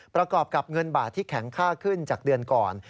ประกอบกับเงินบาทที่แข็งค่าขึ้นจากเดือนก่อน